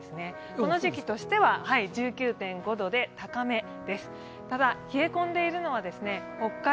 この時期としては１９．５度で高めです。